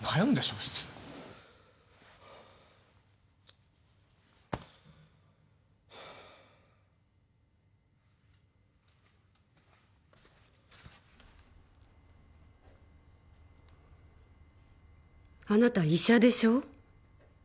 普通あなた医者でしょ？